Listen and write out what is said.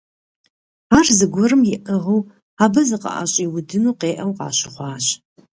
Ар зыгуэрым иӀыгъыу абы зыкъыӀэщӏиудыну къеӀэу къащыхъуащ.